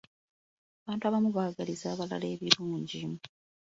Abantu abamu baagaliza abalala ebirungi.